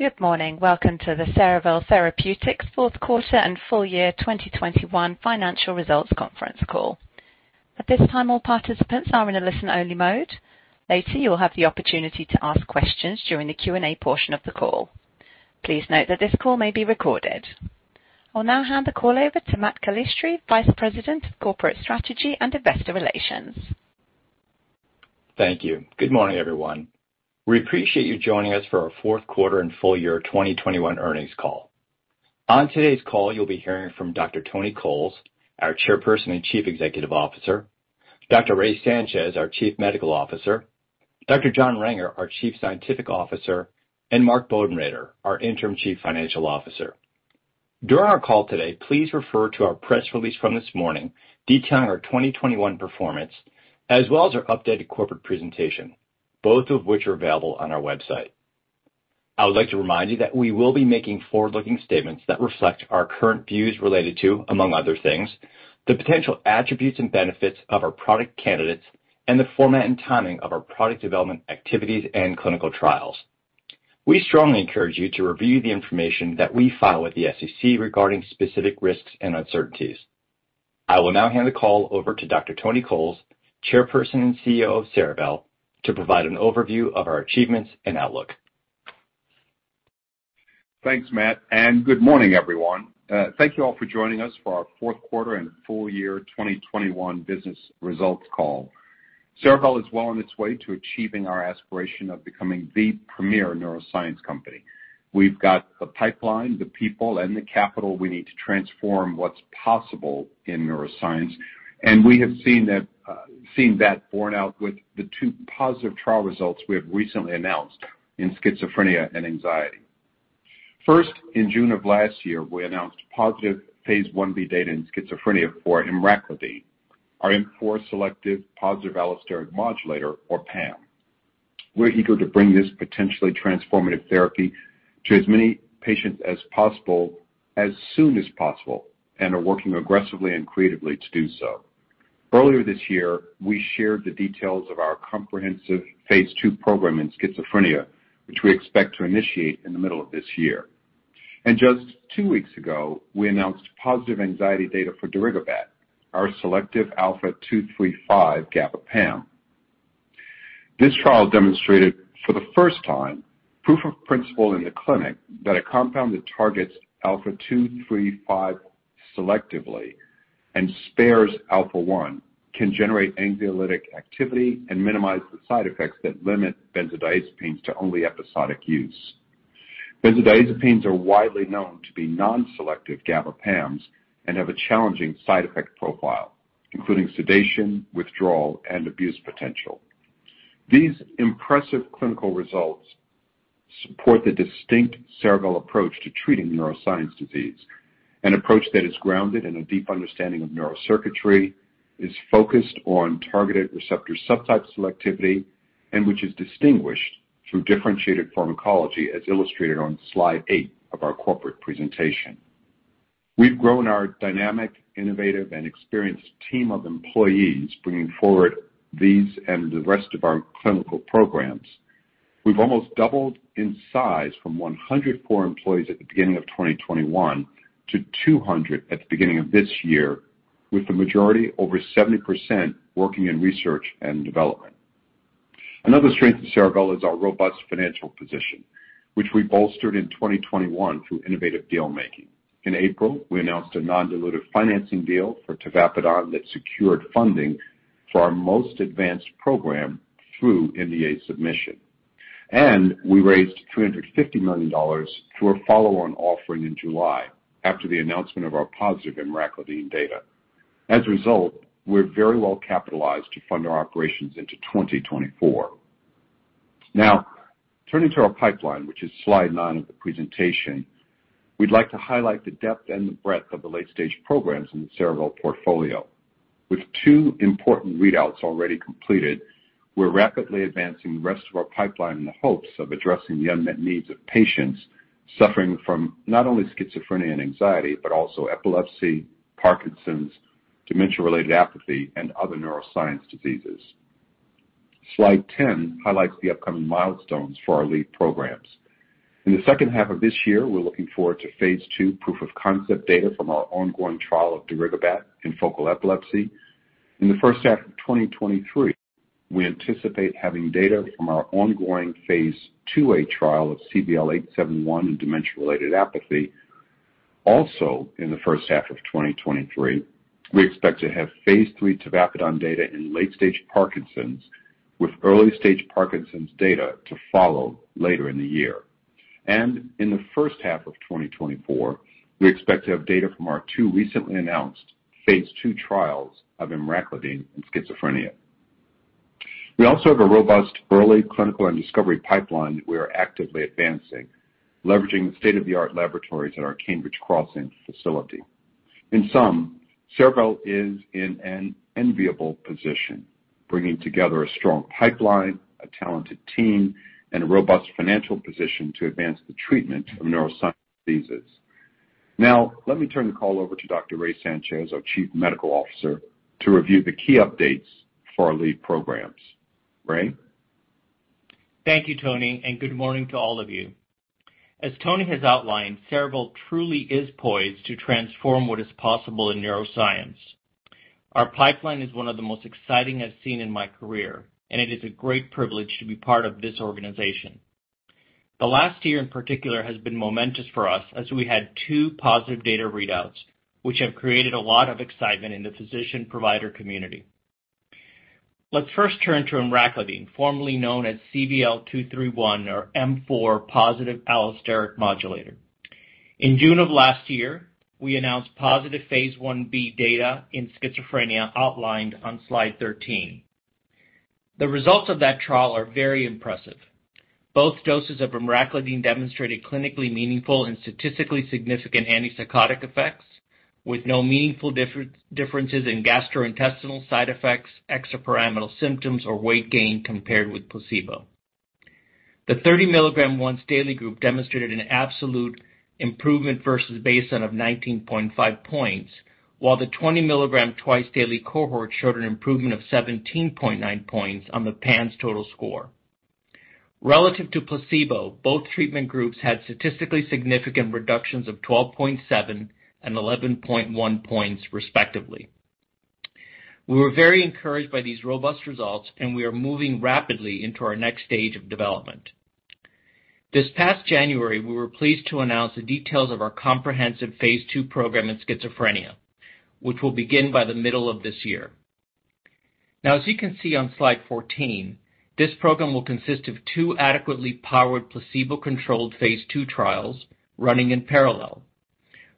Good morning. Welcome to the Cerevel Therapeutics Fourth Quarter and Full Year 2021 financial Results Conference Call. At this time, all participants are in a listen-only mode. Later, you will have the opportunity to ask questions during the Q&A portion of the call. Please note that this call may be recorded. I'll now hand the call over to Matthew Calistri, Vice President of Corporate Strategy and Investor Relations. Thank you. Good morning, everyone. We appreciate you joining us for our Fourth Quarter and Full Year 2021 Earnings Call. On today's call, you'll be hearing from Dr. Tony Coles, our Chairperson and Chief Executive Officer, Dr. Raymond Sanchez, our Chief Medical Officer, Dr. John Renger, our Chief Scientific Officer, and Mark Bodenrader, our Interim Chief Financial Officer. During our call today, please refer to our press release from this morning detailing our 2021 performance, as well as our updated corporate presentation, both of which are available on our website. I would like to remind you that we will be making forward-looking statements that reflect our current views related to, among other things, the potential attributes and benefits of our product candidates and the format and timing of our product development activities and clinical trials. We strongly encourage you to review the information that we file with the SEC regarding specific risks and uncertainties. I will now hand the call over to Dr. Tony Coles, Chairperson and CEO of Cerevel, to provide an overview of our achievements and outlook. Thanks, Matt, and good morning everyone. Thank you all for joining us for our Fourth Quarter and Full Year 2021 Business Results Call. Cerevel is well on its way to achieving our aspiration of becoming the premier neuroscience company. We've got the pipeline, the people, and the capital we need to transform what's possible in neuroscience, and we have seen that borne out with the two positive trial results we have recently announced in schizophrenia and anxiety. First, in June of last year, we announced positive phase I-B data in schizophrenia for emraclidine, our M4 selective positive allosteric modulator, or PAM. We're eager to bring this potentially transformative therapy to as many patients as possible as soon as possible, and are working aggressively and creatively to do so. Earlier this year, we shared the details of our comprehensive phase II program in schizophrenia, which we expect to initiate in the middle of this year. Just two weeks ago, we announced positive anxiety data for darigabat, our selective α2/3/5 GABA PAM. This trial demonstrated for the first time proof of principle in the clinic that a compound that targets α2/3/5 selectively and spares α1 can generate anxiolytic activity and minimize the side effects that limit benzodiazepines to only episodic use. Benzodiazepines are widely known to be non-selective GABA PAMs and have a challenging side effect profile, including sedation, withdrawal, and abuse potential. These impressive clinical results support the distinct Cerevel approach to treating neuroscience disease, an approach that is grounded in a deep understanding of neurocircuitry, is focused on targeted receptor subtype selectivity, and which is distinguished through differentiated pharmacology as illustrated on slide eight of our corporate presentation. We've grown our dynamic, innovative, and experienced team of employees bringing forward these and the rest of our clinical programs. We've almost doubled in size from 104 employees at the beginning of 2021 to 200 at the beginning of this year, with the majority, over 70% working in research and development. Another strength of Cerevel is our robust financial position, which we bolstered in 2021 through innovative deal making. In April, we announced a non-dilutive financing deal for tavapadon that secured funding for our most advanced program through NDA submission. We raised $250 million through a follow-on offering in July after the announcement of our positive emraclidine data. As a result, we're very well capitalized to fund our operations into 2024. Now, turning to our pipeline, which is slide nine of the presentation, we'd like to highlight the depth and the breadth of the late-stage programs in the Cerevel portfolio. With two important readouts already completed, we're rapidly advancing the rest of our pipeline in the hopes of addressing the unmet needs of patients suffering from not only schizophrenia and anxiety, but also epilepsy, Parkinson's, dementia-related apathy, and other neuroscience diseases. Slide 10 highlights the upcoming milestones for our lead programs. In the second half of this year, we're looking forward to phase II proof of concept data from our ongoing trial of darigabat in focal epilepsy. In the first half of 2023, we anticipate having data from our ongoing phase II-A trial of CVL-871 in dementia-related apathy. Also, in the first half of 2023, we expect to have phase III tavapadon data in late-stage Parkinson's, with early-stage Parkinson's data to follow later in the year. In the first half of 2024, we expect to have data from our two recently announced phase II trials of emraclidine in schizophrenia. We also have a robust early clinical and discovery pipeline that we are actively advancing, leveraging state-of-the-art laboratories at our Cambridge Crossing facility. In sum, Cerevel is in an enviable position, bringing together a strong pipeline, a talented team, and a robust financial position to advance the treatment of neuroscience diseases. Now let me turn the call over to Dr. Ray Sanchez, our Chief Medical Officer, to review the key updates for our lead programs. Ray? Thank you, Tony, and good morning to all of you. As Tony has outlined, Cerevel truly is poised to transform what is possible in neuroscience. Our pipeline is one of the most exciting I've seen in my career, and it is a great privilege to be part of this organization. The last year in particular has been momentous for us as we had two positive data readouts, which have created a lot of excitement in the physician provider community. Let's first turn to emraclidine, formerly known as CVL-231 or M4 positive allosteric modulator. In June of last year, we announced positive phase I-B data in schizophrenia outlined on slide 13. The results of that trial are very impressive. Both doses of emraclidine demonstrated clinically meaningful and statistically significant antipsychotic effects with no meaningful differences in gastrointestinal side effects, extrapyramidal symptoms, or weight gain compared with placebo. The 30 mg once daily group demonstrated an absolute improvement versus baseline of 19.5 points, while the 20 mg twice-daily cohort showed an improvement of 17.9 points on the PANSS total score. Relative to placebo, both treatment groups had statistically significant reductions of 12.7 and 11.1 points, respectively. We were very encouraged by these robust results, and we are moving rapidly into our next stage of development. This past January, we were pleased to announce the details of our comprehensive phase II program in schizophrenia, which will begin by the middle of this year. Now, as you can see on slide 14, this program will consist of two adequately powered placebo-controlled phase II trials running in parallel.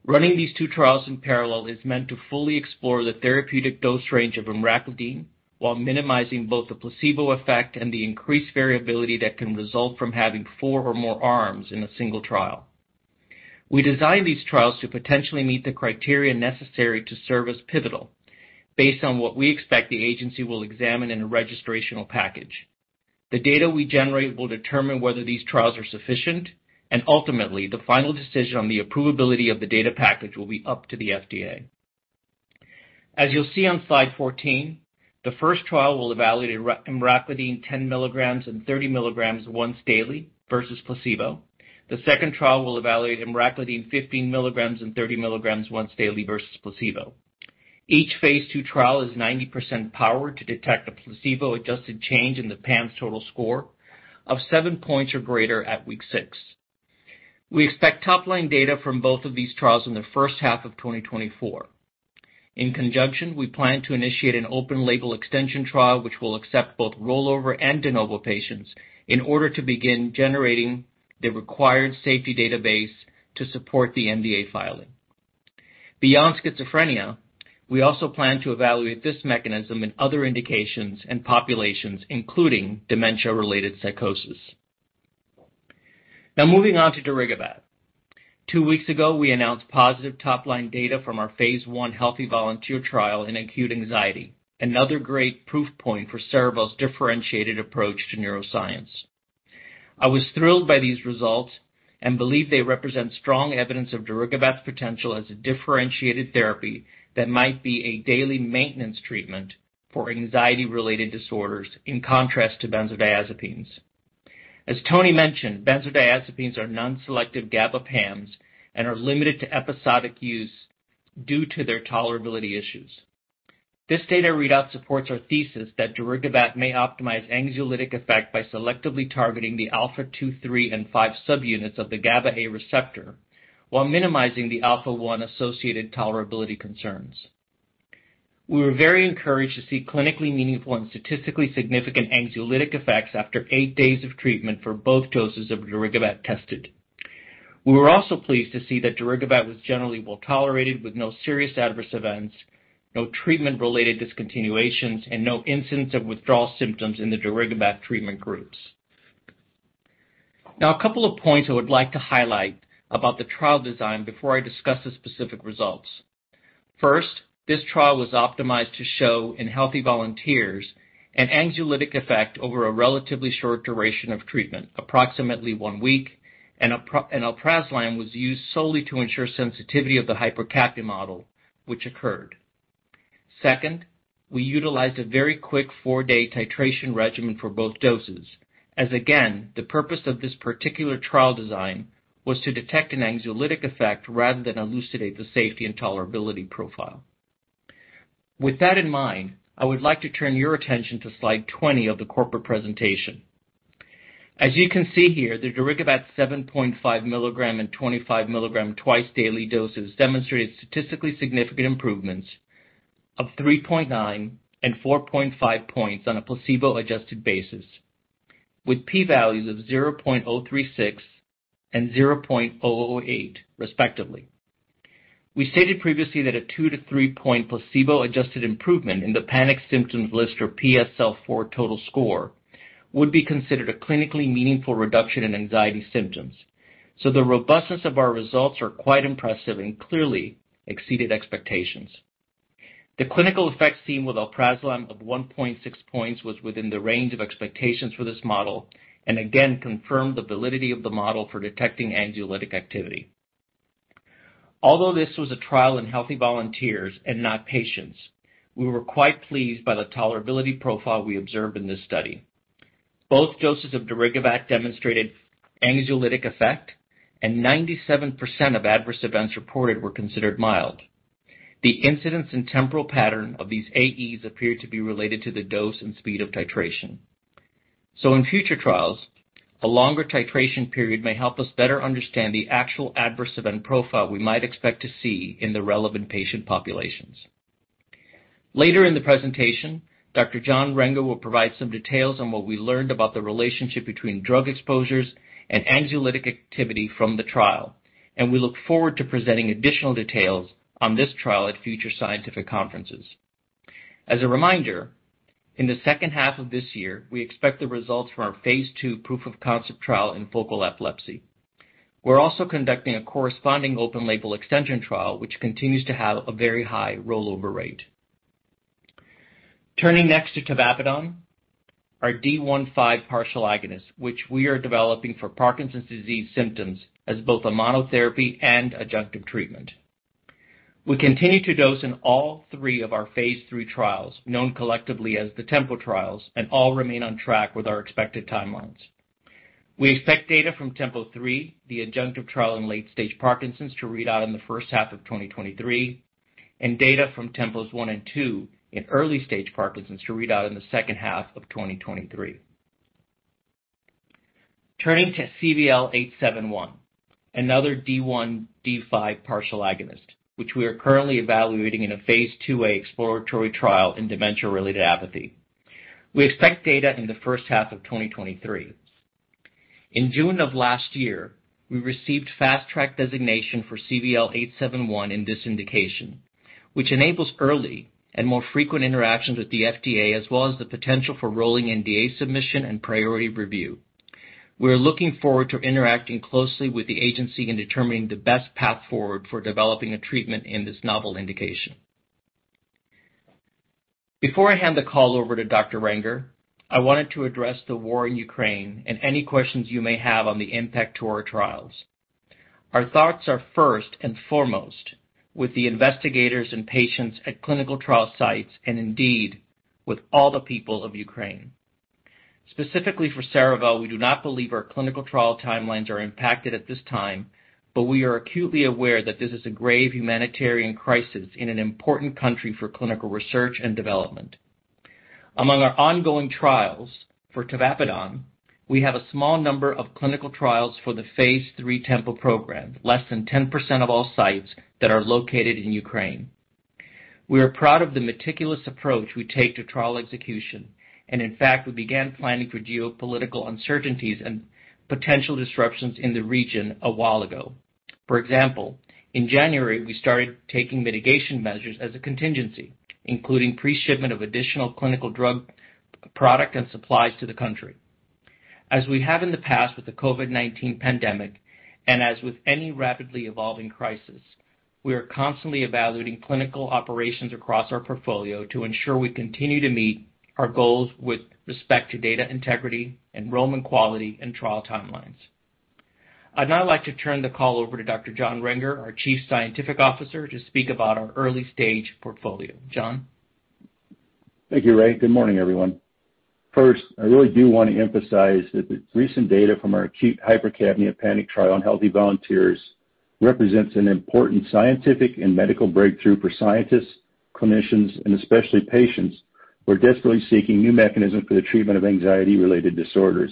Running these two trials in parallel is meant to fully explore the therapeutic dose range of emraclidine while minimizing both the placebo effect and the increased variability that can result from having four or more arms in a single trial. We designed these trials to potentially meet the criteria necessary to serve as pivotal based on what we expect the agency will examine in a registrational package. The data we generate will determine whether these trials are sufficient, and ultimately the final decision on the approvability of the data package will be up to the FDA. As you'll see on slide 14, the first trial will evaluate emraclidine 10 mg and 30 mg once daily versus placebo. The second trial will evaluate emraclidine 15 mg and 30 mg once daily versus placebo. Each phase II trial is 90% powered to detect a placebo-adjusted change in the PANSS total score of seven points or greater at week six. We expect top-line data from both of these trials in the first half of 2024. In conjunction, we plan to initiate an open label extension trial, which will accept both rollover and de novo patients in order to begin generating the required safety database to support the NDA filing. Beyond schizophrenia, we also plan to evaluate this mechanism in other indications and populations, including dementia-related psychosis. Now moving on to darigabat. Two weeks ago, we announced positive top-line data from our phase I healthy volunteer trial in acute anxiety, another great proof point for Cerevel's differentiated approach to neuroscience. I was thrilled by these results and believe they represent strong evidence of darigabat's potential as a differentiated therapy that might be a daily maintenance treatment for anxiety-related disorders, in contrast to benzodiazepines. As Tony mentioned, benzodiazepines are non-selective GABA PAMs and are limited to episodic use due to their tolerability issues. This data readout supports our thesis that darigabat may optimize anxiolytic effect by selectively targeting the α2/3/5 subunits of the GABAA receptor while minimizing the α1 associated tolerability concerns. We were very encouraged to see clinically meaningful and statistically significant anxiolytic effects after eight days of treatment for both doses of darigabat tested. We were also pleased to see that darigabat was generally well-tolerated with no serious adverse events, no treatment-related discontinuations, and no instance of withdrawal symptoms in the darigabat treatment groups. Now a couple of points I would like to highlight about the trial design before I discuss the specific results. First, this trial was optimized to show in healthy volunteers an anxiolytic effect over a relatively short duration of treatment, approximately one week, and alprazolam was used solely to ensure sensitivity of the hypercapnia model, which occurred. Second, we utilized a very quick four-day titration regimen for both doses. As again, the purpose of this particular trial design was to detect an anxiolytic effect rather than elucidate the safety and tolerability profile. With that in mind, I would like to turn your attention to slide 20 of the corporate presentation. As you can see here, the darigabat 7.5 mg and 25 mg twice daily doses demonstrated statistically significant improvements of 3.9 and 4.5 points on a placebo-adjusted basis, with P values of 0.036 and 0.008, respectively. We stated previously that a 2-3-point placebo-adjusted improvement in the Panic Symptoms List, or PSL-IV total score would be considered a clinically meaningful reduction in anxiety symptoms. The robustness of our results are quite impressive and clearly exceeded expectations. The clinical effects seen with alprazolam of 1.6 points was within the range of expectations for this model and again confirmed the validity of the model for detecting anxiolytic activity. Although this was a trial in healthy volunteers and not patients, we were quite pleased by the tolerability profile we observed in this study. Both doses of darigabat demonstrated anxiolytic effect, and 97% of adverse events reported were considered mild. The incidence and temporal pattern of these AEs appeared to be related to the dose and speed of titration. In future trials, a longer titration period may help us better understand the actual adverse event profile we might expect to see in the relevant patient populations. Later in the presentation, Dr. John Renger will provide some details on what we learned about the relationship between drug exposures and anxiolytic activity from the trial, and we look forward to presenting additional details on this trial at future scientific conferences. As a reminder, in the second half of this year, we expect the results from our phase II proof of concept trial in focal epilepsy. We're also conducting a corresponding open-label extension trial, which continues to have a very high rollover rate. Turning next to tavapadon, our D1/D5 partial agonist, which we are developing for Parkinson's disease symptoms as both a monotherapy and adjunctive treatment. We continue to dose in all three of our phase III trials, known collectively as the TEMPO trials, and all remain on track with our expected timelines. We expect data from TEMPO-3, the adjunctive trial in late stage Parkinson's, to read out in the first half of 2023, and data from TEMPO-1 and TEMPO-2 in early stage Parkinson's to read out in the second half of 2023. Turning to CVL-871, another D1/D5 partial agonist, which we are currently evaluating in a phase II-A exploratory trial in dementia-related apathy. We expect data in the first half of 2023. In June of last year, we received Fast Track designation for CVL-871 in this indication, which enables early and more frequent interactions with the FDA, as well as the potential for rolling NDA submission and priority review. We are looking forward to interacting closely with the agency in determining the best path forward for developing a treatment in this novel indication. Before I hand the call over to Dr. Renger, I wanted to address the war in Ukraine and any questions you may have on the impact to our trials. Our thoughts are first and foremost with the investigators and patients at clinical trial sites and indeed with all the people of Ukraine. Specifically for Cerevel, we do not believe our clinical trial timelines are impacted at this time, but we are acutely aware that this is a grave humanitarian crisis in an important country for clinical research and development. Among our ongoing trials for tavapadon, we have a small number of clinical trials for the phase III TEMPO program, less than 10% of all sites that are located in Ukraine. We are proud of the meticulous approach we take to trial execution, and in fact, we began planning for geopolitical uncertainties and potential disruptions in the region a while ago. For example, in January, we started taking mitigation measures as a contingency, including pre-shipment of additional clinical drug product and supplies to the country. As we have in the past with the COVID-19 pandemic, and as with any rapidly evolving crisis, we are constantly evaluating clinical operations across our portfolio to ensure we continue to meet our goals with respect to data integrity, enrollment quality, and trial timelines. I'd now like to turn the call over to Dr. John Renger, our Chief Scientific Officer, to speak about our early stage portfolio. John? Thank you, Ray. Good morning, everyone. First, I really do want to emphasize that the recent data from our acute hypercapnia panic trial in healthy volunteers represents an important scientific and medical breakthrough for scientists, clinicians, and especially patients who are desperately seeking new mechanisms for the treatment of anxiety-related disorders.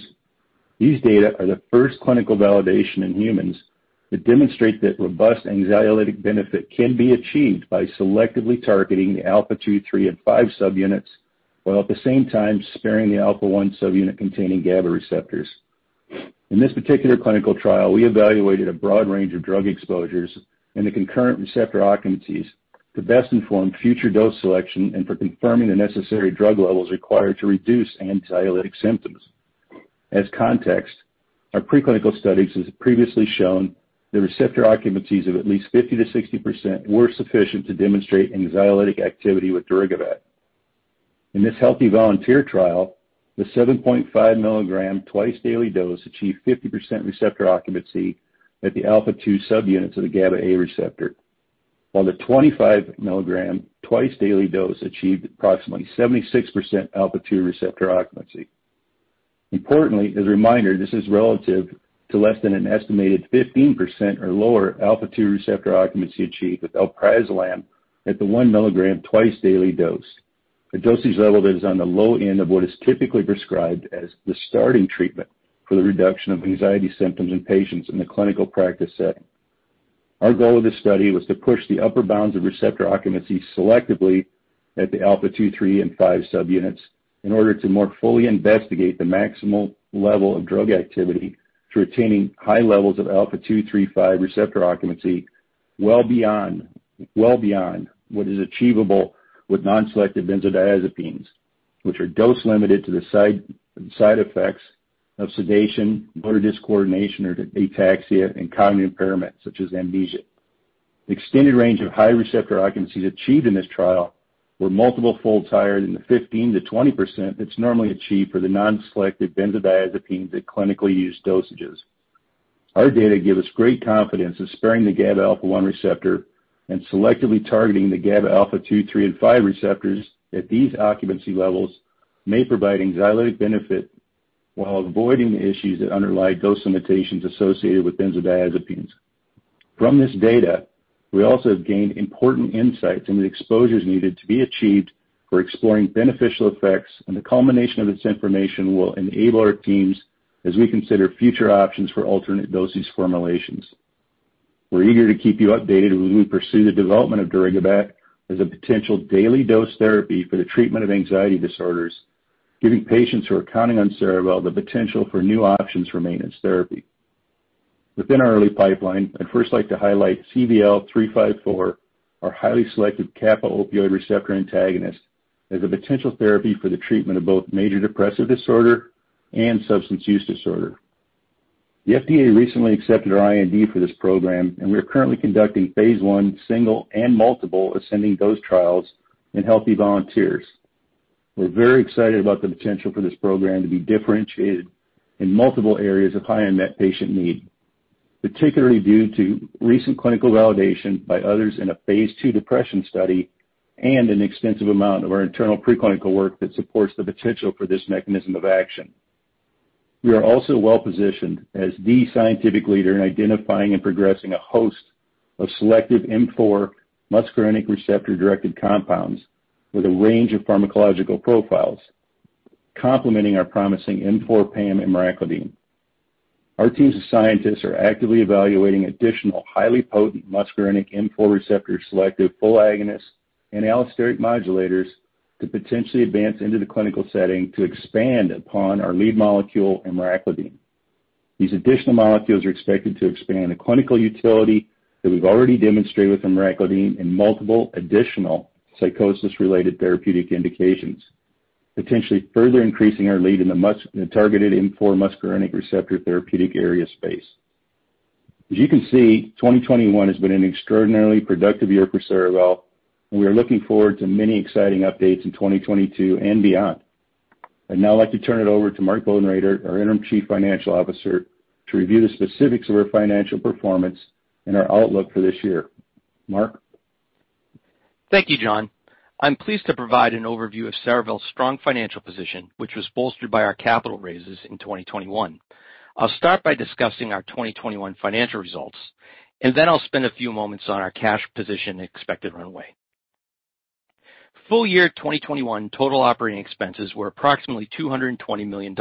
These data are the first clinical validation in humans that demonstrate that robust anxiolytic benefit can be achieved by selectively targeting the α2/3/5 subunits, while at the same time sparing the α1 subunit-containing GABAA receptors. In this particular clinical trial, we evaluated a broad range of drug exposures and the concurrent receptor occupancies to best inform future dose selection and for confirming the necessary drug levels required to reduce anxiolytic symptoms. As context, our preclinical studies have previously shown that receptor occupancies of at least 50%-60% were sufficient to demonstrate anxiolytic activity with darigabat. In this healthy volunteer trial, the 7.5 mg twice daily dose achieved 50% receptor occupancy at the α2 subunits of the GABAA receptor, while the 25 mg twice daily dose achieved approximately 76% α2 receptor occupancy. Importantly, as a reminder, this is relative to less than an estimated 15% or lower α2 receptor occupancy achieved with alprazolam at the 1 mg twice daily dose. The dosage level that is on the low end of what is typically prescribed as the starting treatment for the reduction of anxiety symptoms in patients in the clinical practice setting. Our goal of this study was to push the upper bounds of receptor occupancy selectively at the α2/3/5 subunits in order to more fully investigate the maximal level of drug activity through attaining high levels of α2/3/5 receptor occupancy well beyond what is achievable with non-selective benzodiazepines, which are dose limited to the side effects of sedation, motor discoordination, or ataxia and cognitive impairment, such as amnesia. The extended range of high receptor occupancies achieved in this trial were multiple folds higher than the 15%-20% that's normally achieved for the non-selective benzodiazepines at clinically used dosages. Our data give us great confidence in sparing the GABA α1 receptor and selectively targeting the GABA α2/3/5 receptors at these occupancy levels may provide anxiolytic benefit while avoiding the issues that underlie dose limitations associated with benzodiazepines. From this data, we also have gained important insights into the exposures needed to be achieved for exploring beneficial effects, and the culmination of this information will enable our teams as we consider future options for alternate dosage formulations. We're eager to keep you updated as we pursue the development of darigabat as a potential daily dose therapy for the treatment of anxiety disorders, giving patients who are counting on Cerevel the potential for new options for maintenance therapy. Within our early pipeline, I'd first like to highlight CVL-354, our highly selective kappa opioid receptor antagonist, as a potential therapy for the treatment of both major depressive disorder and substance use disorder. The FDA recently accepted our IND for this program, and we are currently conducting phase I single and multiple ascending dose trials in healthy volunteers. We're very excited about the potential for this program to be differentiated in multiple areas of high unmet patient need, particularly due to recent clinical validation by others in a phase II depression study and an extensive amount of our internal preclinical work that supports the potential for this mechanism of action. We are also well-positioned as the scientific leader in identifying and progressing a host of selective M4 muscarinic receptor-directed compounds with a range of pharmacological profiles complementing our promising M4 PAM, emraclidine. Our teams of scientists are actively evaluating additional highly potent muscarinic M4 receptor selective full agonist and allosteric modulators to potentially advance into the clinical setting to expand upon our lead molecule, emraclidine. These additional molecules are expected to expand the clinical utility that we've already demonstrated with emraclidine in multiple additional psychosis-related therapeutic indications, potentially further increasing our lead in the targeted M-four muscarinic receptor therapeutic area space. As you can see, 2021 has been an extraordinarily productive year for Cerevel, and we are looking forward to many exciting updates in 2022 and beyond. I'd now like to turn it over to Mark Bodenrader, our Interim Chief Financial Officer, to review the specifics of our financial performance and our outlook for this year. Mark? Thank you, John. I'm pleased to provide an overview of Cerevel's strong financial position, which was bolstered by our capital raises in 2021. I'll start by discussing our 2021 financial results, and then I'll spend a few moments on our cash position and expected runway. Full year 2021 total operating expenses were approximately $220 million,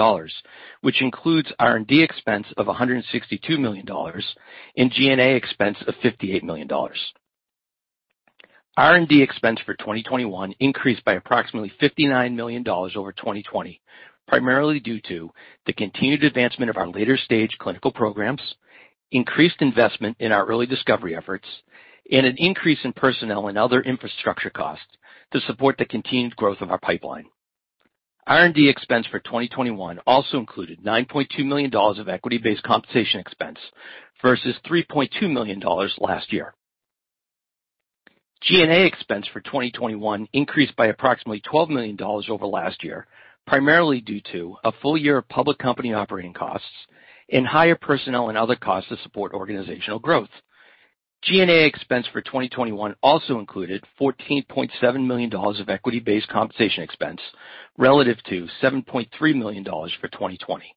which includes R&D expense of $162 million and G&A expense of $58 million. R&D expense for 2021 increased by approximately $59 million over 2020, primarily due to the continued advancement of our later-stage clinical programs, increased investment in our early discovery efforts, and an increase in personnel and other infrastructure costs to support the continued growth of our pipeline. R&D expense for 2021 also included $9.2 million of equity-based compensation expense versus $3.2 million last year. G&A expense for 2021 increased by approximately $12 million over last year, primarily due to a full year of public company operating costs and higher personnel and other costs to support organizational growth. G&A expense for 2021 also included $14.7 million of equity-based compensation expense relative to $7.3 million for 2020.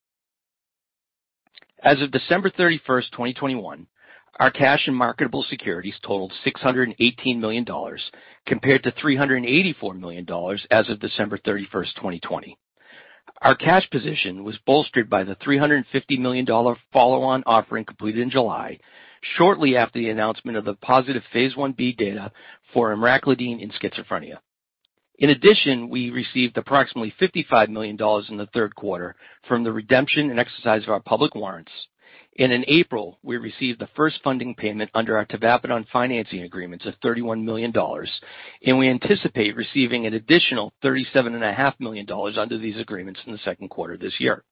As of December 31, 2021, our cash and marketable securities totaled $618 million compared to $384 million as of December 31, 2020. Our cash position was bolstered by the $350 million follow-on offering completed in July, shortly after the announcement of the positive phase I-B data for emraclidine in schizophrenia. In addition, we received approximately $55 million in the third quarter from the redemption and exercise of our public warrants. In April, we received the first funding payment under our tavapadon financing agreements of $31 million, and we anticipate receiving an additional $37.5 million under these agreements in the second quarter this year.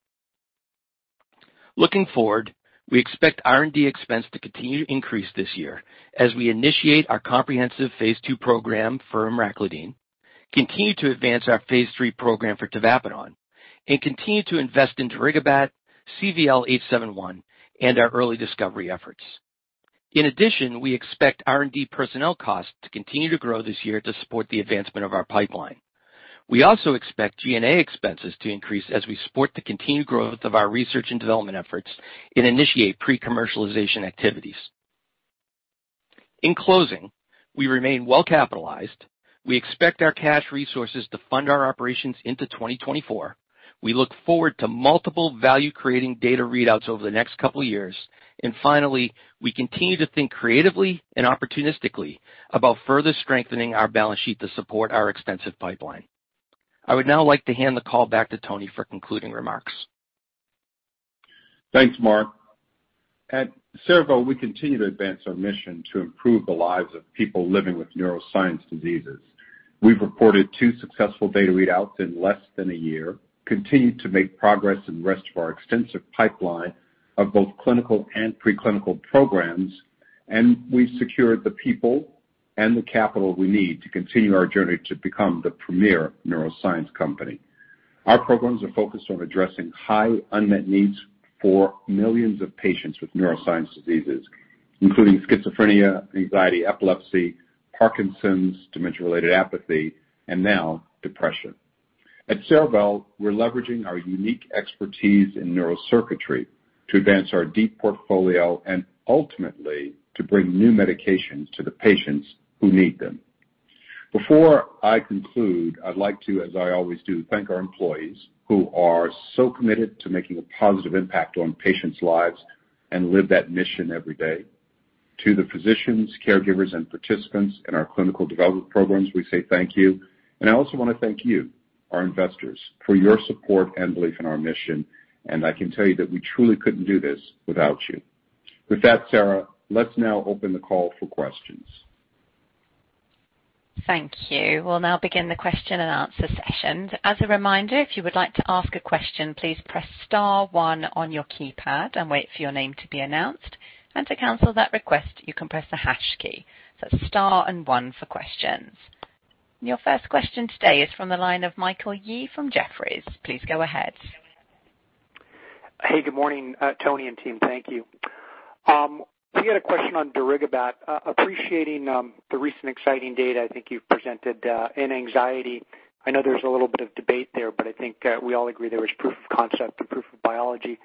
Looking forward, we expect R&D expense to continue to increase this year as we initiate our comprehensive phase II program for emraclidine, continue to advance our phase III program for tavapadon, and continue to invest in darigabat, CVL-871, and our early discovery efforts. In addition, we expect R&D personnel costs to continue to grow this year to support the advancement of our pipeline. We also expect G&A expenses to increase as we support the continued growth of our research and development efforts and initiate pre-commercialization activities. In closing, we remain well-capitalized. We expect our cash resources to fund our operations into 2024. We look forward to multiple value-creating data readouts over the next couple years. Finally, we continue to think creatively and opportunistically about further strengthening our balance sheet to support our extensive pipeline. I would now like to hand the call back to Tony for concluding remarks. Thanks, Mark. At Cerevel, we continue to advance our mission to improve the lives of people living with neuroscience diseases. We've reported 2 successful data readouts in less than a year, continued to make progress in the rest of our extensive pipeline of both clinical and pre-clinical programs, and we've secured the people and the capital we need to continue our journey to become the premier neuroscience company. Our programs are focused on addressing high unmet needs for millions of patients with neuroscience diseases, including schizophrenia, anxiety, epilepsy, Parkinson's, dementia-related apathy, and now depression. At Cerevel, we're leveraging our unique expertise in neurocircuitry to advance our deep portfolio and ultimately to bring new medications to the patients who need them. Before I conclude, I'd like to, as I always do, thank our employees who are so committed to making a positive impact on patients' lives and live that mission every day. To the physicians, caregivers, and participants in our clinical development programs, we say thank you. I also want to thank you, our investors, for your support and belief in our mission. I can tell you that we truly couldn't do this without you. With that, Sarah, let's now open the call for questions. Thank you. We'll now begin the question and answer session. As a reminder, if you would like to ask a question, please press star one on your keypad and wait for your name to be announced. To cancel that request, you can press the hash key. Star and one for questions. Your first question today is from the line of Michael Yee from Jefferies. Please go ahead. Hey, good morning, Tony and team. Thank you. We had a question on darigabat. Appreciating the recent exciting data I think you've presented in anxiety. I know there's a little bit of debate there, but I think we all agree there was proof of concept and proof of biology.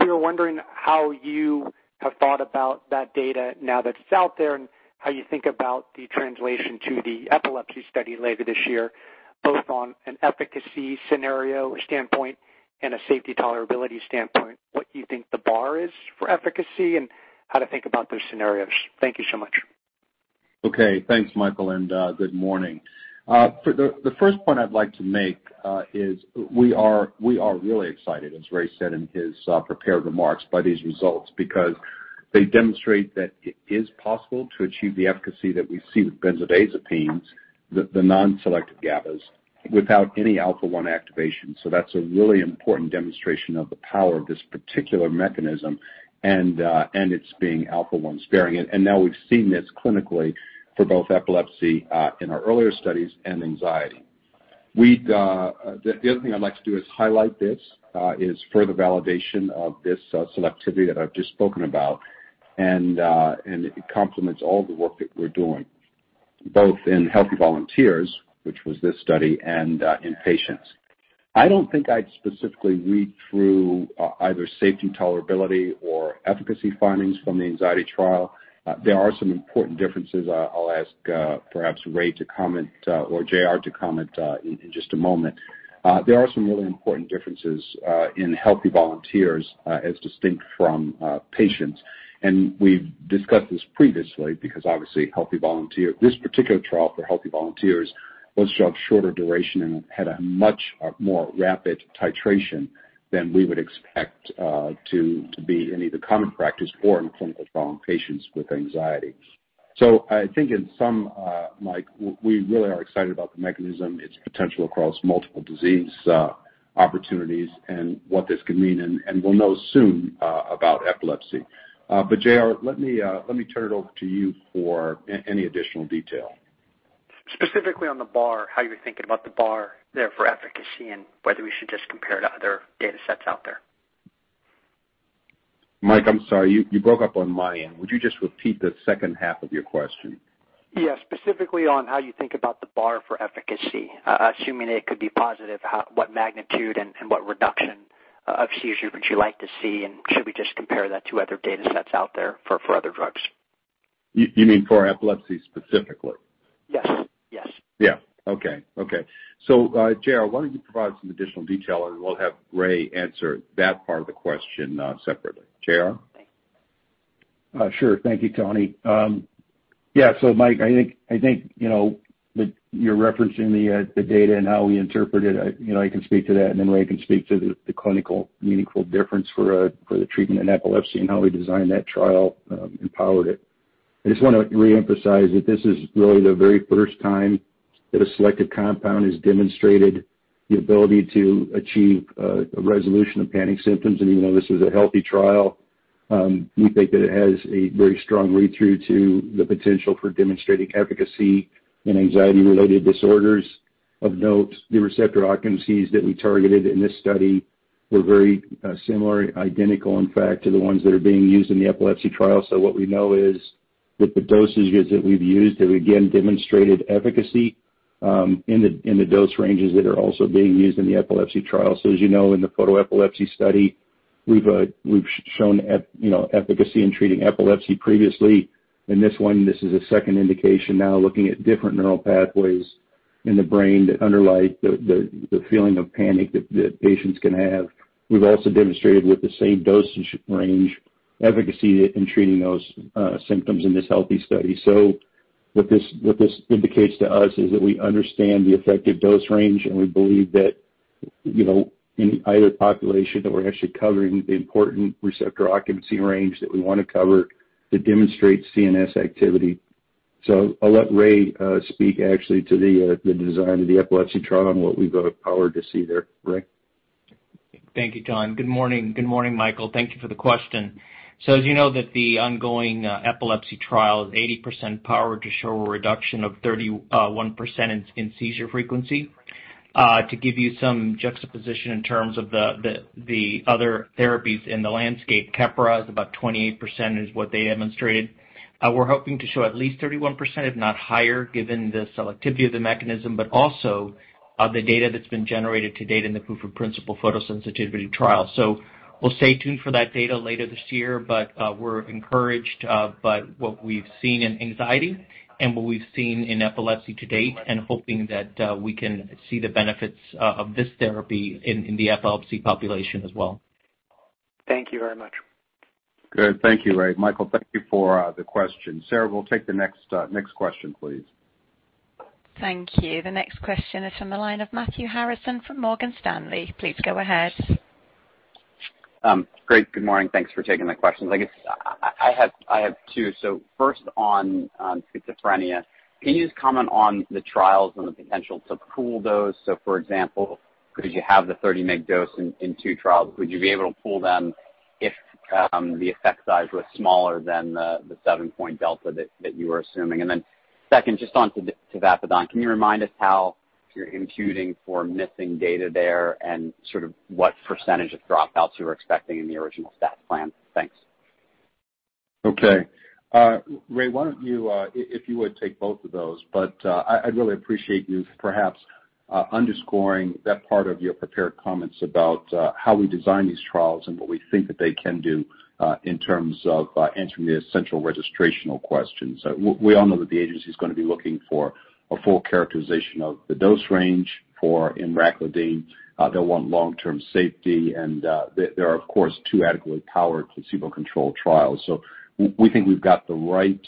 We were wondering how you have thought about that data now that it's out there and how you think about the translation to the epilepsy study later this year, both on an efficacy scenario standpoint and a safety tolerability standpoint, what you think the bar is for efficacy and how to think about those scenarios. Thank you so much. Okay. Thanks, Michael, and good morning. For the first point I'd like to make is we are really excited, as Ray said in his prepared remarks, by these results because they demonstrate that it is possible to achieve the efficacy that we see with benzodiazepines, the non-selective GABAs, without any α1 activation. That's a really important demonstration of the power of this particular mechanism and it's being α1 sparing. Now we've seen this clinically for both epilepsy in our earlier studies and anxiety. The other thing I'd like to do is highlight this is further validation of this selectivity that I've just spoken about. It complements all the work that we're doing, both in healthy volunteers, which was this study, and in patients. I don't think I'd specifically read through either safety tolerability or efficacy findings from the anxiety trial. There are some important differences. I'll ask perhaps Ray to comment or JR to comment in just a moment. There are some really important differences in healthy volunteers as distinct from patients. We've discussed this previously because obviously this particular trial for healthy volunteers was of shorter duration and had a much more rapid titration than we would expect to be in either common practice or in clinical trial in patients with anxiety. I think in sum, Mike, we really are excited about the mechanism, its potential across multiple disease opportunities and what this could mean, and we'll know soon about epilepsy. J.R., let me turn it over to you for any additional detail. Specifically on the bar, how you're thinking about the bar there for efficacy and whether we should just compare to other data sets out there? Mike, I'm sorry. You broke up on my end. Would you just repeat the second half of your question? Yeah. Specifically on how you think about the bar for efficacy, assuming it could be positive, how, what magnitude and what reduction of seizure would you like to see? And should we just compare that to other data sets out there for other drugs? You mean for epilepsy specifically? Yes. Yes. Yeah. Okay. J.R., why don't you provide some additional detail, and we'll have Ray answer that part of the question, separately. J.R.? Thanks. Sure. Thank you, Tony. Yeah, so Mike, I think you know that you're referencing the data and how we interpret it. You know, I can speak to that, and then Ray can speak to the clinically meaningful difference for the treatment in epilepsy and how we designed that trial and powered it. I just wanna reemphasize that this is really the very first time that a selected compound has demonstrated the ability to achieve a resolution of panic symptoms. Even though this is a healthy trial, we think that it has a very strong read-through to the potential for demonstrating efficacy in anxiety-related disorders. Of note, the receptor occupancies that we targeted in this study were very similar, identical in fact, to the ones that are being used in the epilepsy trial. What we know is that the dosages that we've used have, again, demonstrated efficacy in the dose ranges that are also being used in the epilepsy trial. As you know, in the focal epilepsy study, we've shown, you know, efficacy in treating epilepsy previously. In this one, this is a second indication now looking at different neural pathways in the brain that underlie the feeling of panic that patients can have. We've also demonstrated with the same dosage range efficacy in treating those symptoms in this healthy study. What this indicates to us is that we understand the effective dose range, and we believe that, you know, in either population that we're actually covering the important receptor occupancy range that we wanna cover to demonstrate CNS activity. I'll let Ray speak actually to the design of the epilepsy trial and what we've got powered to see there. Ray? Thank you, John. Good morning. Good morning, Michael. Thank you for the question. As you know that the ongoing epilepsy trial is 80% powered to show a reduction of 31% in seizure frequency. To give you some juxtaposition in terms of the other therapies in the landscape, Keppra is about 28% is what they demonstrated. We're hoping to show at least 31%, if not higher, given the selectivity of the mechanism, but also of the data that's been generated to date in the proof of principle photosensitivity trial. We'll stay tuned for that data later this year, but we're encouraged by what we've seen in anxiety and what we've seen in epilepsy to date and hoping that we can see the benefits of this therapy in the epilepsy population as well. Thank you very much. Good. Thank you, Ray. Michael, thank you for the question. Sarah, we'll take the next question, please. Thank you. The next question is from the line of Matthew Harrison from Morgan Stanley. Please go ahead. Great. Good morning. Thanks for taking my questions. I guess I have two. First on schizophrenia. Can you just comment on the trials and the potential to pool those? For example, because you have the 30 mg dose in two trials, would you be able to pool them if the effect size was smaller than the 7-point delta that you were assuming? Second, just on tavapadon, can you remind us how you're imputing for missing data there and sort of what percentage of dropouts you were expecting in the original stats plan? Thanks. Okay. Ray, why don't you, if you would take both of those, but I'd really appreciate you perhaps underscoring that part of your prepared comments about how we design these trials and what we think that they can do in terms of answering the essential registrational questions. We all know that the agency's gonna be looking for a full characterization of the dose range for emraclidine. They'll want long-term safety and there are of course two adequately powered placebo-controlled trials. We think we've got the right.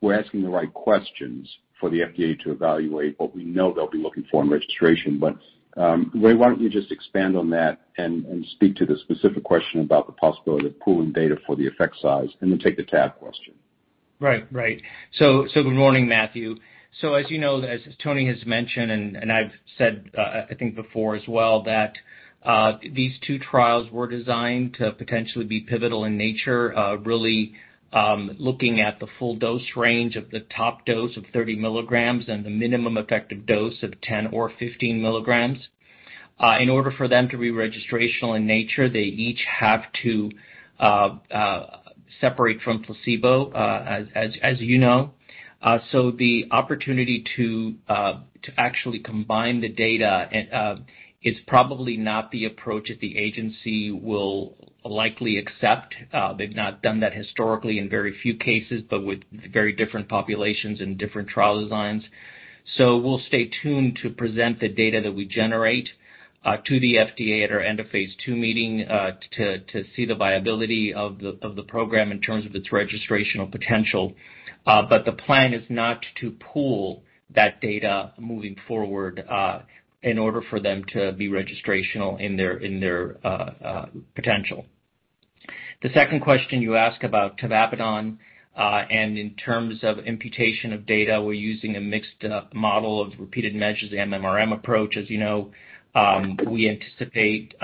We're asking the right questions for the FDA to evaluate what we know they'll be looking for in registration. Ray, why don't you just expand on that and speak to the specific question about the possibility of pooling data for the effect size, and then take that question. Right. Good morning, Matthew. As you know, as Tony has mentioned, and I've said, I think before as well, that these two trials were designed to potentially be pivotal in nature, really looking at the full dose range of the top dose of 30 mg and the minimum effective dose of 10 or 15 mg. In order for them to be registrational in nature, they each have to separate from placebo, as you know. The opportunity to actually combine the data is probably not the approach that the agency will likely accept. They've not done that historically in very few cases, but with very different populations and different trial designs. We'll stay tuned to present the data that we generate to the FDA at our end-of-phase II meeting to see the viability of the program in terms of its registrational potential. The plan is not to pool that data moving forward in order for them to be registrational in their potential. The second question you ask about tavapadon and in terms of imputation of data, we're using a mixed model of repeated measures, the MMRM approach. As you know, we anticipate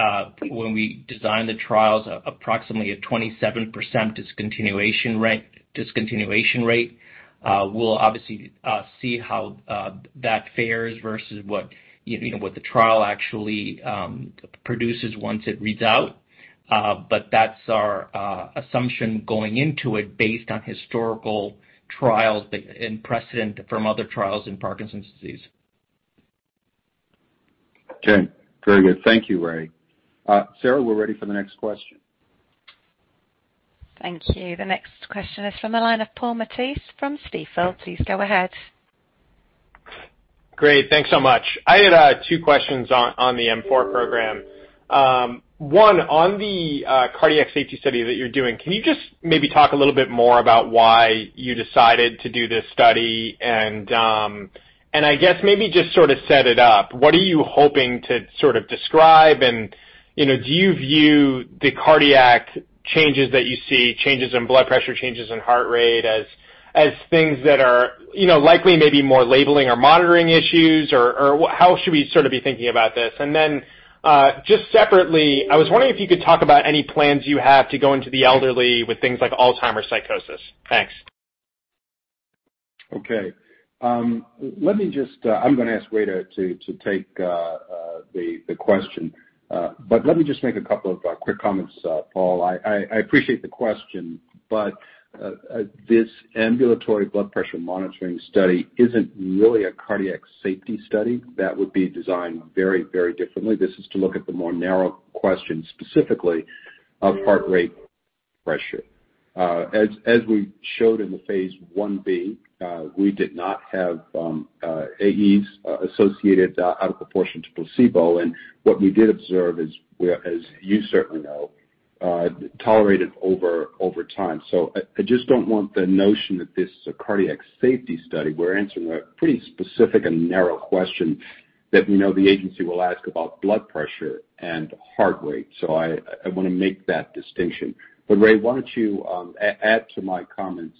when we design the trials approximately a 27% discontinuation rate. We'll obviously see how that fares versus what you know the trial actually produces once it reads out. That's our assumption going into it based on historical trials and precedent from other trials in Parkinson's disease. Okay. Very good. Thank you, Ray. Sarah, we're ready for the next question. Thank you. The next question is from the line of Paul Matteis from Stifel. Please go ahead. Great. Thanks so much. I had two questions on the M4 program. One, on the cardiac safety study that you're doing, can you just maybe talk a little bit more about why you decided to do this study? I guess maybe just sort of set it up. What are you hoping to sort of describe and, you know, do you view the cardiac changes that you see, changes in blood pressure, changes in heart rate as things that are, you know, likely maybe more labeling or monitoring issues or how should we sort of be thinking about this? Then just separately, I was wondering if you could talk about any plans you have to go into the elderly with things like Alzheimer's psychosis. Thanks. Okay. Let me just ask Ray to take the question. But let me just make a couple of quick comments, Paul. I appreciate the question, but this ambulatory blood pressure monitoring study isn't really a cardiac safety study that would be designed very, very differently. This is to look at the more narrow questions, specifically of heart rate pressure. As we showed in the phase I-B, we did not have AEs associated out of proportion to placebo. What we did observe is, as you certainly know, well tolerated over time. I just don't want the notion that this is a cardiac safety study. We're answering a pretty specific and narrow question that we know the agency will ask about blood pressure and heart rate. I wanna make that distinction. Ray, why don't you add to my comments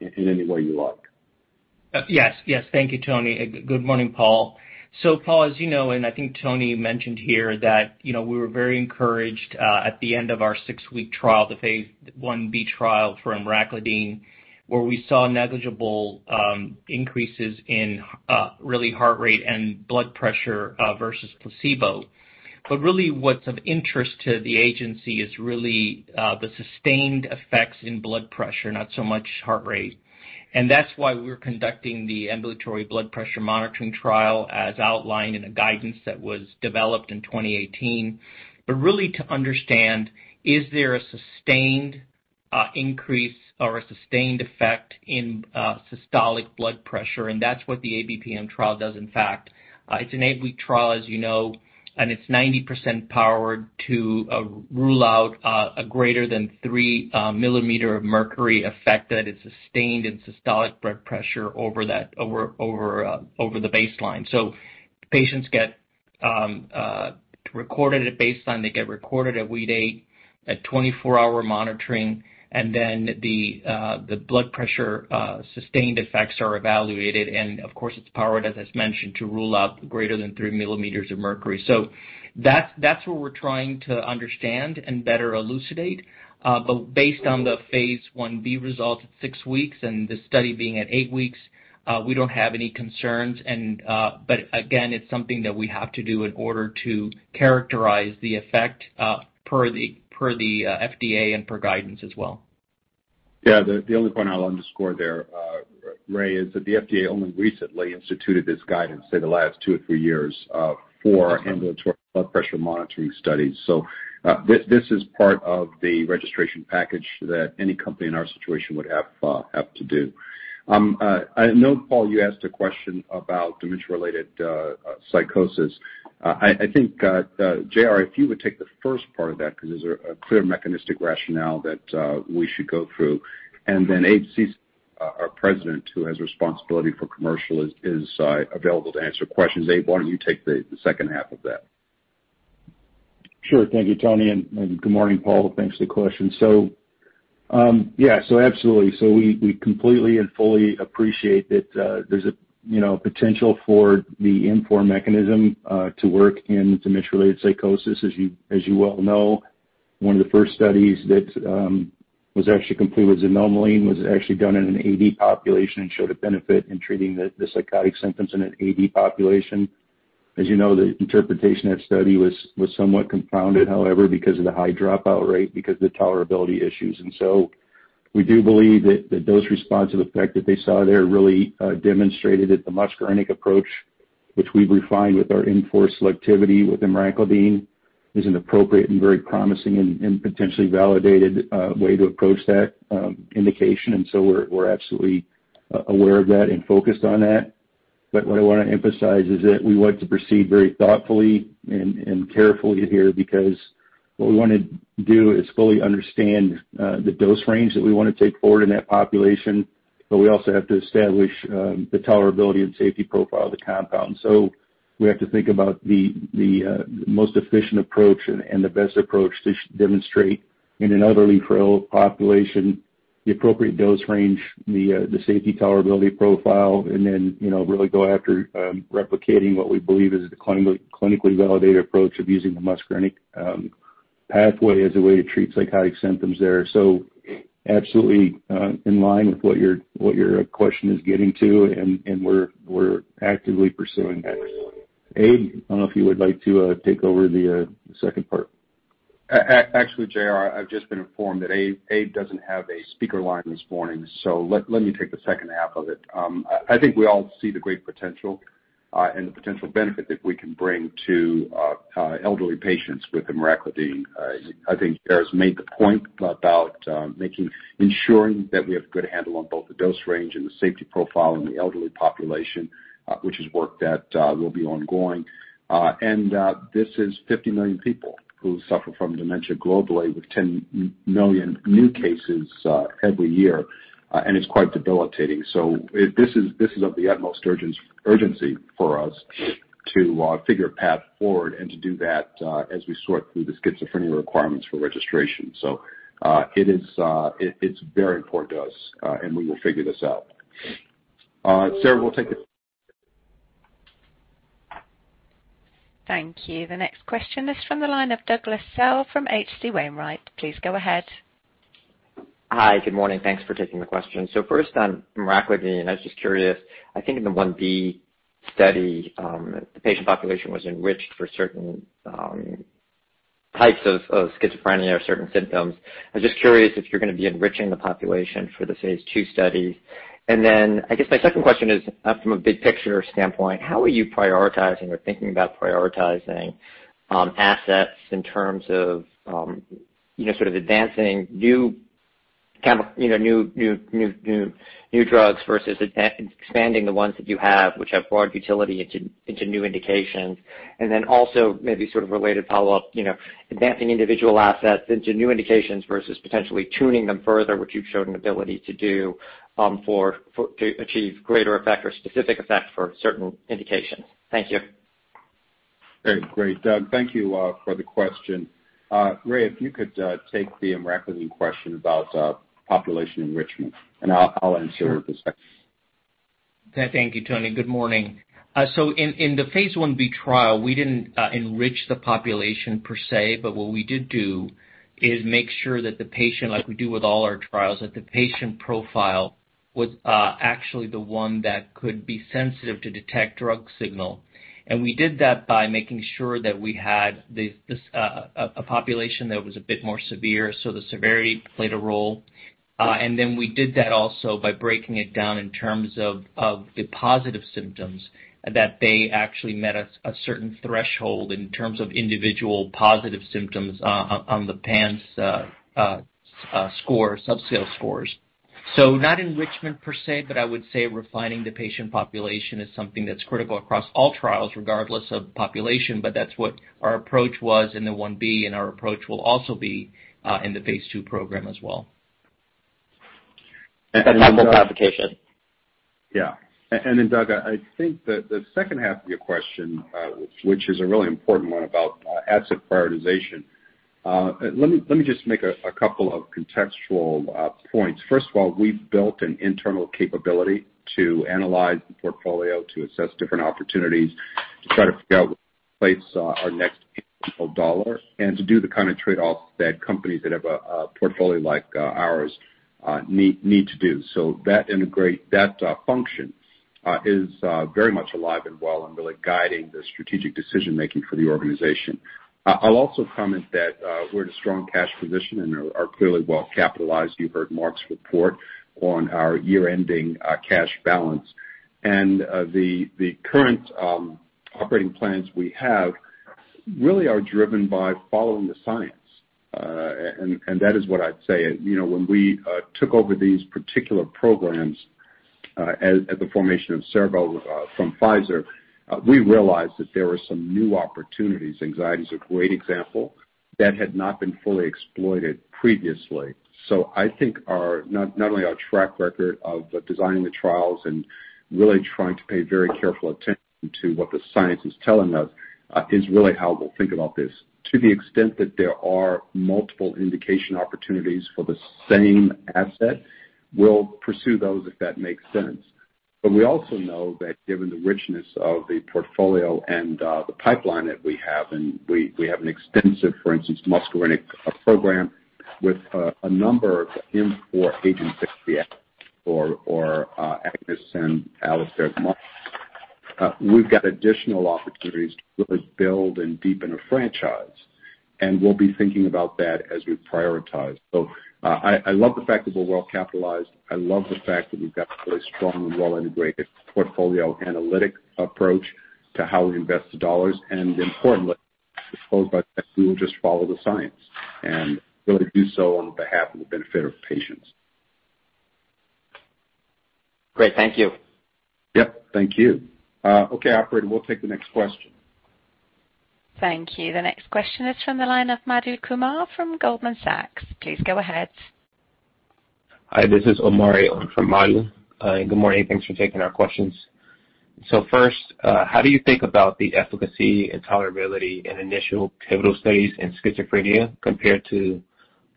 in any way you like. Yes, yes. Thank you, Tony. Good morning, Paul. Paul, as you know, and I think Tony mentioned here that, you know, we were very encouraged at the end of our six-week trial, the phase I-B trial for emraclidine, where we saw negligible increases in really heart rate and blood pressure versus placebo. Really what's of interest to the agency is really the sustained effects in blood pressure, not so much heart rate. That's why we're conducting the ambulatory blood pressure monitoring trial as outlined in a guidance that was developed in 2018. Really to understand is there a sustained increase or a sustained effect in systolic blood pressure, and that's what the ABPM trial does, in fact. It's an eight-week trial, as you know, and it's 90% powered to rule out a greater than 3 mm of mercury effect that is sustained in systolic blood pressure over the baseline. Patients get recorded at baseline. They get recorded at week eight at 24-hour monitoring, and then the blood pressure sustained effects are evaluated. Of course, it's powered, as mentioned, to rule out greater than 3 mm of mercury. That's what we're trying to understand and better elucidate. Based on the phase I-B result at six weeks and the study being at eight weeks, we don't have any concerns. Again, it's something that we have to do in order to characterize the effect, per the FDA and per guidance as well. Yeah. The only point I'll underscore there, Ray, is that the FDA only recently instituted this guidance, say the last two or three years, for ambulatory blood pressure monitoring studies. So, this is part of the registration package that any company in our situation would have to do. I know, Paul, you asked a question about dementia-related psychosis. I think, J.R., if you would take the first part of that because there's a clear mechanistic rationale that we should go through. Abraham Ceesay, our president, who has responsibility for commercial is available to answer questions. Abe, why don't you take the second half of that? Sure. Thank you, Tony, and good morning, Paul. Thanks for the question. Yeah, absolutely. We completely and fully appreciate that there's a you know, potential for the M4 mechanism to work in dementia-related psychosis, as you well know. One of the first studies that was actually completed with xanomeline was actually done in an AD population and showed a benefit in treating the psychotic symptoms in an AD population. As you know, the interpretation of that study was somewhat confounded, however, because of the high dropout rate, because of the tolerability issues. We do believe that the dose response to the effect that they saw there really demonstrated that the muscarinic approach, which we've refined with our M4 selectivity with emraclidine, is an appropriate and very promising and potentially validated way to approach that indication. We're absolutely aware of that and focused on that. What I wanna emphasize is that we want to proceed very thoughtfully and carefully here because what we wanna do is fully understand the dose range that we wanna take forward in that population, but we also have to establish the tolerability and safety profile of the compound. We have to think about the most efficient approach and the best approach to demonstrate in an elderly, frail population, the appropriate dose range, the safety tolerability profile, and then, you know, really go after replicating what we believe is the clinically validated approach of using the muscarinic pathway as a way to treat psychotic symptoms there. Absolutely, in line with what your question is getting to, and we're actively pursuing that. Abe, I don't know if you would like to take over the second part. Actually, JR, I've just been informed that Abe doesn't have a speaker line this morning, so let me take the second half of it. I think we all see the great potential and the potential benefit that we can bring to elderly patients with emraclidine. I think JR's made the point about ensuring that we have a good handle on both the dose range and the safety profile in the elderly population, which is work that will be ongoing. This is 50 million people who suffer from dementia globally with 10 million new cases every year, and it's quite debilitating. This is of the utmost urgency for us to figure a path forward and to do that, as we sort through the schizophrenia requirements for registration. It's very important to us, and we will figure this out. Sarah, we'll take the- Thank you. The next question is from the line of Douglas Tsao from H.C. Wainwright. Please go ahead. Hi. Good morning. Thanks for taking the question. First on emraclidine, I was just curious. I think in the phase I-B study, the patient population was enriched for certain types of schizophrenia or certain symptoms. I'm just curious if you're gonna be enriching the population for the phase II study. I guess my second question is, from a big picture standpoint, how are you prioritizing or thinking about prioritizing assets in terms of, you know, sort of advancing new drugs versus expanding the ones that you have which have broad utility into new indications. Also maybe sort of related follow-up, you know, advancing individual assets into new indications versus potentially tuning them further, which you've shown an ability to do, to achieve greater effect or specific effect for certain indications. Thank you. Great. Doug, thank you for the question. Ray, if you could take the emraclidine question about population enrichment, and I'll answer the second Sure. Thank you, Tony. Good morning. In the phase I-B trial, we didn't enrich the population per se, but what we did do is make sure that the patient, like we do with all our trials, that the patient profile was actually the one that could be sensitive to detect drug signal. We did that by making sure that we had this a population that was a bit more severe, so the severity played a role. We did that also by breaking it down in terms of the positive symptoms that they actually met a certain threshold in terms of individual positive symptoms on the PANSS score, subscale scores. Not enrichment per se, but I would say refining the patient population is something that's critical across all trials, regardless of population. That's what our approach was in the One B, and our approach will also be in the phase II program as well. On the population. Yeah. Douglas, I think that the second half of your question, which is a really important one about asset prioritization. Let me just make a couple of contextual points. First of all, we've built an internal capability to analyze the portfolio, to assess different opportunities, to try to figure out where to place our next dollar, and to do the kind of trade-offs that companies that have a portfolio like ours need to do. That function is very much alive and well and really guiding the strategic decision making for the organization. I'll also comment that we're in a strong cash position and are clearly well capitalized. You heard Mark's report on our year-ending cash balance. The current operating plans we have really are driven by following the science. That is what I'd say. You know, when we took over these particular programs at the formation of Cerevel from Pfizer, we realized that there were some new opportunities, anxiety is a great example, that had not been fully exploited previously. I think not only our track record of designing the trials and really trying to pay very careful attention to what the science is telling us is really how we'll think about this. To the extent that there are multiple indication opportunities for the same asset, we'll pursue those if that makes sense. We also know that given the richness of the portfolio and the pipeline that we have, and we have an extensive, for instance, muscarinic program with a number of M4 agents or agonists and allosteric mods. We've got additional opportunities to really build and deepen a franchise, and we'll be thinking about that as we prioritize. I love the fact that we're well capitalized. I love the fact that we've got a very strong and well integrated portfolio analytics approach to how we invest the dollars, and importantly, as proposed by Jeff, we will just follow the science and really do so on behalf of the benefit of patients. Great. Thank you. Yep, thank you. Okay, operator, we'll take the next question. Thank you. The next question is from the line of Madhu Kumar from Goldman Sachs. Please go ahead. Hi, this is Omari from Madhu. Good morning. Thanks for taking our questions. First, how do you think about the efficacy and tolerability in initial pivotal studies in schizophrenia compared to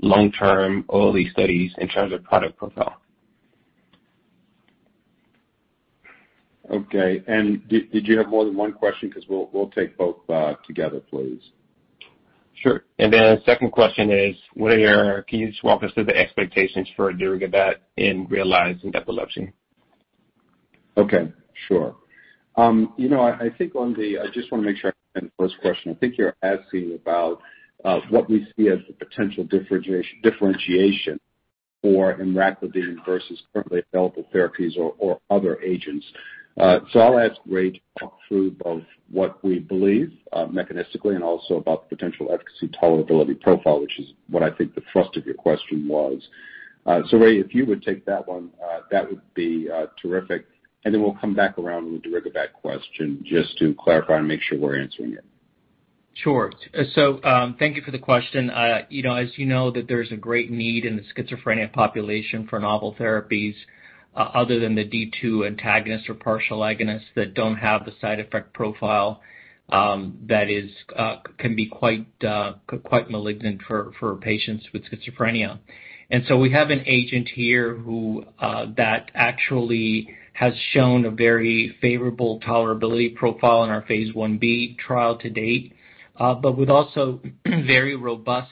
long-term early studies in terms of product profile? Okay. Did you have more than one question? 'Cause we'll take both together, please. Sure, and then the second question is, what are you, can you just walk us through the expectations for darigabat in real-life epilepsy? Okay. Sure. I think I just wanna make sure I understand the first question. I think you're asking about what we see as the potential differentiation for emraclidine versus currently available therapies or other agents. So I'll ask Ray to talk through both what we believe mechanistically and also about the potential efficacy tolerability profile, which is what I think the thrust of your question was. So Ray, if you would take that one, that would be terrific. Then we'll come back around on the darigabat question just to clarify and make sure we're answering it. Sure. Thank you for the question. You know, as you know that there's a great need in the schizophrenia population for novel therapies, other than the D2 antagonists or partial agonists that don't have the side effect profile that is quite malignant for patients with schizophrenia. We have an agent here that actually has shown a very favorable tolerability profile in our phase I-B trial to date, but with also very robust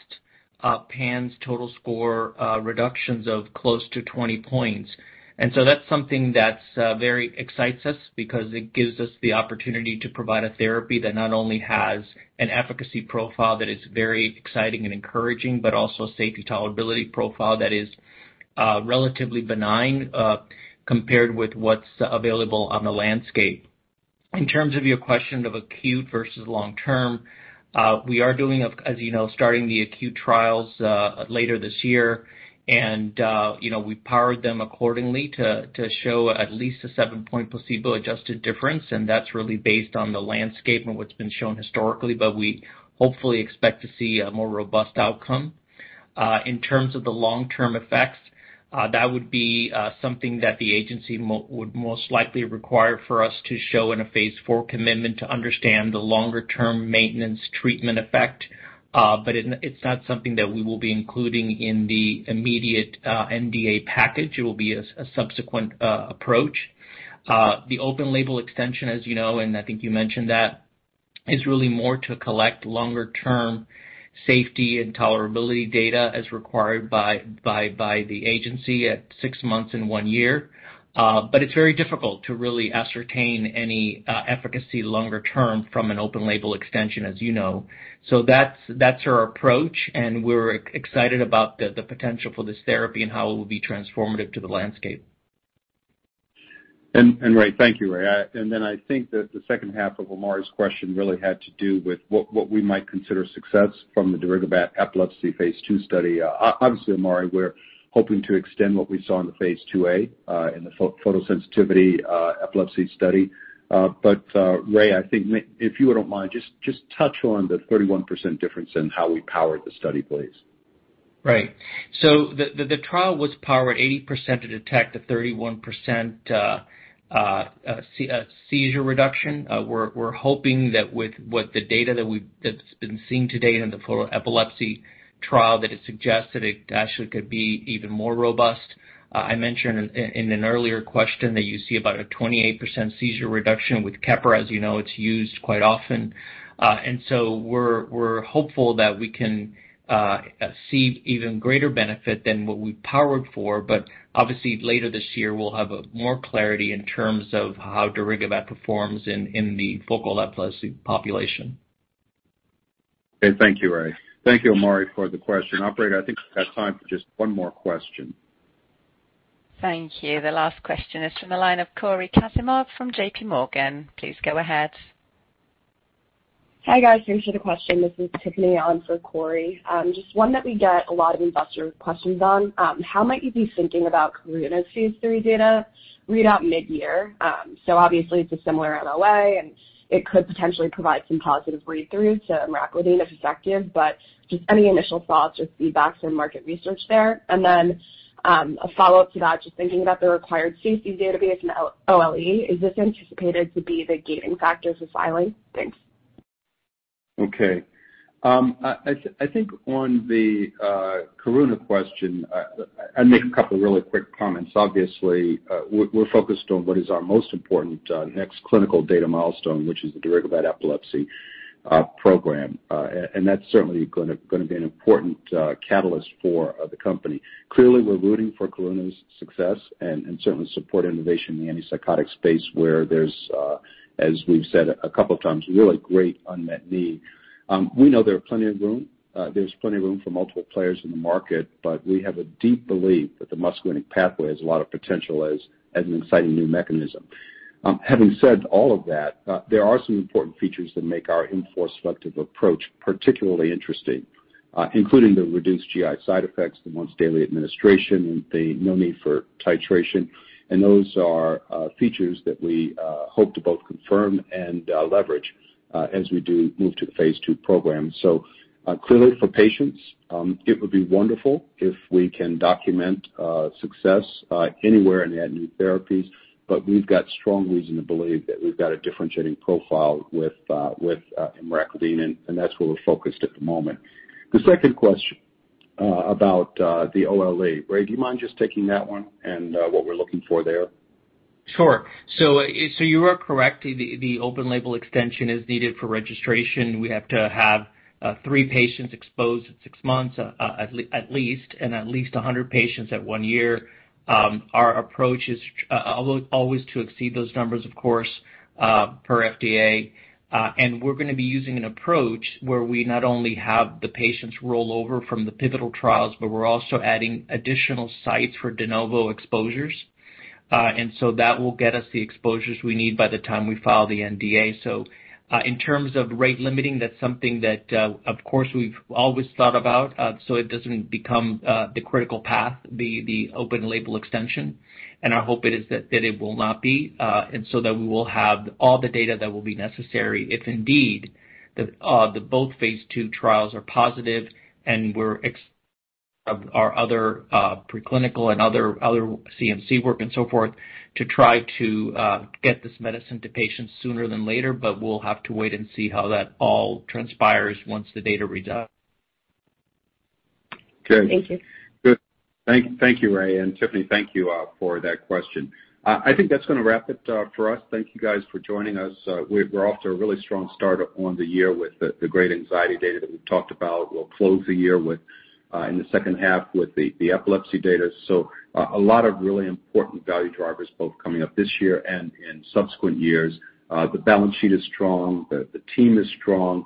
PANSS total score reductions of close to 20 points. That's something that very excites us because it gives us the opportunity to provide a therapy that not only has an efficacy profile that is very exciting and encouraging, but also safety tolerability profile that is relatively benign compared with what's available on the landscape. In terms of your question of acute versus long term, we are doing, as you know, starting the acute trials later this year. You know, we powered them accordingly to show at least a 7-point placebo-adjusted difference. That's really based on the landscape and what's been shown historically. We hopefully expect to see a more robust outcome. In terms of the long-term effects, that would be something that the agency would most likely require for us to show in a phase IV commitment to understand the longer term maintenance treatment effect. It's not something that we will be including in the immediate NDA package. It will be a subsequent approach. The open label extension, as you know, and I think you mentioned that, is really more to collect longer term safety and tolerability data as required by the agency at six months and one year. It's very difficult to really ascertain any efficacy longer term from an open label extension, as you know. That's our approach, and we're excited about the potential for this therapy and how it will be transformative to the landscape. Ray, thank you, Ray. I think that the second half of Omari's question really had to do with what we might consider success from the darigabat epilepsy phase II study. Obviously, Omari, we're hoping to extend what we saw in the phase II-A in the photosensitivity epilepsy study. Ray, I think if you don't mind, just touch on the 31% difference in how we powered the study, please. Right. The trial was powered 80% to detect a 31%, seizure reduction. We're hoping that with the data that's been seen to date in the focal epilepsy trial, that it suggests that it actually could be even more robust. I mentioned in an earlier question that you see about a 28% seizure reduction with Keppra. As you know, it's used quite often. We're hopeful that we can see even greater benefit than what we powered for. Obviously, later this year, we'll have more clarity in terms of how darigabat performs in the focal epilepsy population. Okay. Thank you, Ray. Thank you, Omari, for the question. Operator, I think we've got time for just one more question. Thank you. The last question is from the line of Cory Kasimov from JPMorgan. Please go ahead. Hi, guys. Thanks for the question. This is Tiffany on for Cory. Just one that we get a lot of investor questions on. How might you be thinking about Karuna's phase III data readout mid-year? Obviously it's a similar MOA, and it could potentially provide some positive read through to emraclidine if effective. Just any initial thoughts or feedback from market research there? A follow-up to that, just thinking about the required safety database and OLE, is this anticipated to be the gating factor for filing? Thanks. Okay. I think on the Karuna question, I'll make a couple really quick comments. Obviously, we're focused on what is our most important next clinical data milestone, which is the darigabat epilepsy program. That's certainly gonna be an important catalyst for the company. Clearly, we're rooting for Karuna's success and certainly support innovation in the antipsychotic space where there's, as we've said a couple of times, really great unmet need. We know there's plenty of room for multiple players in the market, but we have a deep belief that the muscarinic pathway has a lot of potential as an exciting new mechanism. Having said all of that, there are some important features that make our M4 selective approach particularly interesting, including the reduced GI side effects, the once daily administration, the no need for titration. Those are features that we hope to both confirm and leverage as we do move to the phase II program. Clearly for patients, it would be wonderful if we can document success anywhere in the new therapies. We've got strong reason to believe that we've got a differentiating profile with emraclidine, and that's where we're focused at the moment. The second question about the OLE. Ray, do you mind just taking that one and what we're looking for there? Sure. You are correct. The open label extension is needed for registration. We have to have three patients exposed at six months, at least, and at least 100 patients at one year. Our approach is always to exceed those numbers, of course, per FDA. We're gonna be using an approach where we not only have the patients roll over from the pivotal trials, but we're also adding additional sites for de novo exposures. That will get us the exposures we need by the time we file the NDA. In terms of rate limiting, that's something that, of course, we've always thought about. It doesn't become the critical path, the open label extension. I hope it is that it will not be, and so that we will have all the data that will be necessary if indeed both phase II trials are positive and our other preclinical and other CMC work and so forth to try to get this medicine to patients sooner than later. We'll have to wait and see how that all transpires once the data reads out. Okay. Thank you. Good. Thank you, Ray. Tiffany, thank you for that question. I think that's gonna wrap it for us. Thank you guys for joining us. We're off to a really strong start on the year with the great anxiety data that we've talked about. We'll close the year with in the second half with the epilepsy data. A lot of really important value drivers both coming up this year and in subsequent years. The balance sheet is strong. The team is strong.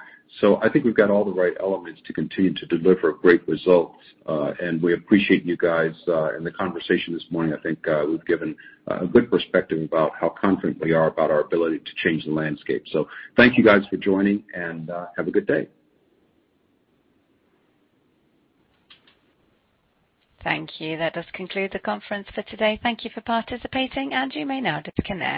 I think we've got all the right elements to continue to deliver great results. We appreciate you guys in the conversation this morning. I think we've given a good perspective about how confident we are about our ability to change the landscape. Thank you guys for joining, and have a good day. Thank you. That does conclude the conference for today. Thank you for participating, and you may now disconnect.